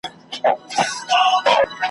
سپيني غوښي يې خوړلي تر سږمو وې `